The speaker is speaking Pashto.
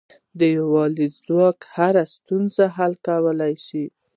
د یووالي ځواک هره ستونزه حل کولای شي.